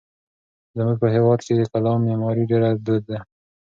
زموږ په هېواد کې د کلا معمارۍ ډېره دود وه.